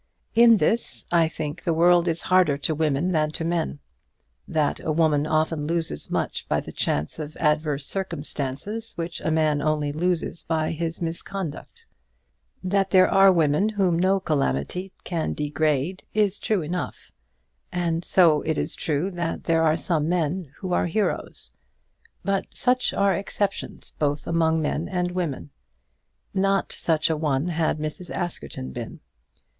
In this, I think, the world is harder to women than to men; that a woman often loses much by the chance of adverse circumstances which a man only loses by his own misconduct. That there are women whom no calamity can degrade is true enough; and so it is true that there are some men who are heroes; but such are exceptions both among men and women. Not such a one had Mrs. Askerton been.